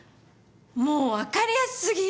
もう分かりやすすぎ。